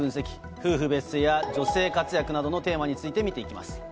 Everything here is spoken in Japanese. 夫婦別姓や女性活躍などのテーマについて見ていきます。